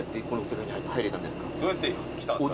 どうやって来たんすか？